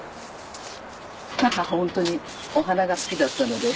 母ホントにお花が好きだったので。